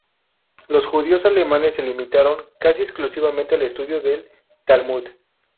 Los judíos alemanes se limitaron casi exclusivamente al estudio del Talmud.